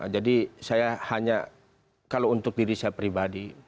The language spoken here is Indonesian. jadi saya hanya kalau untuk diri saya pribadi